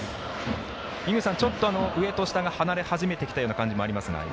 井口さん、ちょっと上と下が離れ始めてきたような感じが。